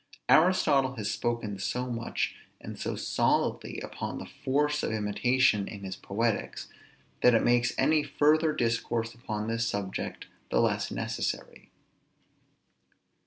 Aristotle has spoken so much and so solidly upon the force of imitation in his Poetics, that it makes any further discourse upon this subject the less necessary.